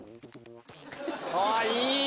あっいい！